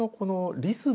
リズム？